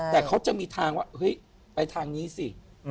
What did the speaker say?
แต่เขาจะมีทางว่าเฮ้ยไปทางนี้สิ